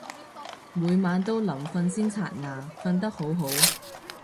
每晚都臨瞓先刷牙，瞓得好好